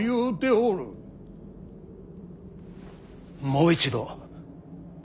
もう一度。